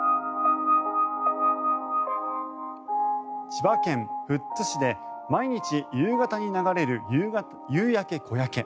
千葉県富津市で毎日夕方に流れる「夕焼小焼」。